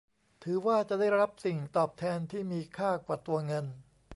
ถือว่าจะได้รับสิ่งตอบแทนที่มีค่ากว่าตัวเงิน